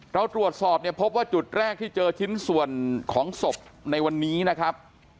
เราตรวจสอบเนี่ยพบว่าจุดแรกที่เจอชิ้นส่วนของศพในวันนี้นะครับ